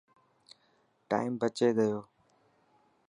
ٽائم بچي گيو.